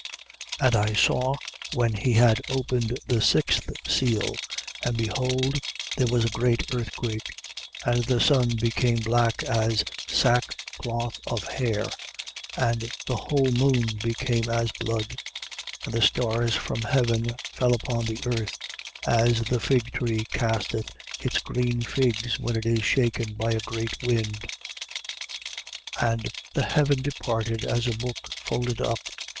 6:12. And I saw, when he had opened the sixth seal: and behold there was a great earthquake. And the sun became black as sackcloth of hair: and the whole moon became as blood. 6:13. And the stars from heaven fell upon the earth, as the fig tree casteth its green figs when it is shaken by a great wind. 6:14. And the heaven departed as a book folded up.